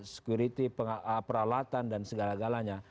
security peralatan dan segala galanya